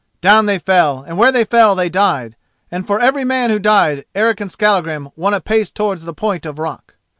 Down they fell, and where they fell they died, and for every man who died Eric and Skallagrim won a pace towards the point of rock.